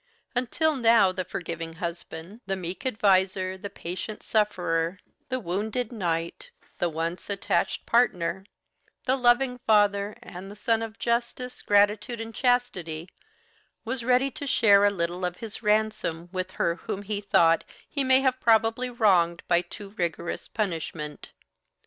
Until now the forgiving husband, the meek adviser, the patient sufferer, the wounded knight, the once attached partner, the loving father, and the son of justice, gratitude, and chastity was ready to share a little of his ransom with her whom he thought he may have probably wronged by too rigorous punishment.